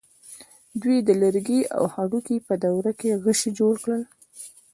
دوی د لرګي او هډوکي په دوره کې غشی جوړ کړ.